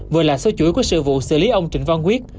vừa là số chuỗi của sự vụ xử lý ông trịnh văn quyết